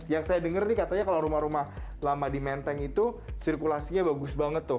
yang saya dengar nih katanya kalau rumah rumah lama di menteng itu sirkulasinya bagus banget tuh